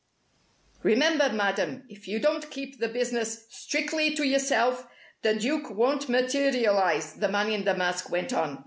"Remember, Madam, if you don't keep this business strictly to yourself, the Duke won't materialize," the man in the mask went on.